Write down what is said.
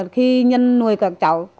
khi nhân nuôi các cháu